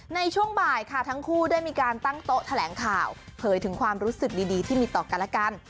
ในช่วงบ่ายค่ะทั้งคู่ได้มีการตั้งโต๊ะแถลงข่าวเผยถึงความรู้สึกดีที่มีต่อกันและกัน